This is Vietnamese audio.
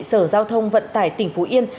sở giao thông vận tải tỉnh phú yên